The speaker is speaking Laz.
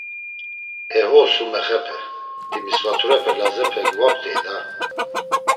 E ho Sumexepe, Timisvaturepe Lazepe gvoktey da.